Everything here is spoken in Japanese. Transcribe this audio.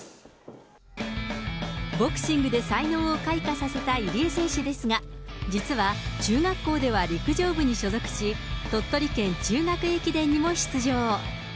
ボクシングで才能を開花させた入江選手ですが、実は、中学校では陸上部に所属し、鳥取県中学駅伝にも出場。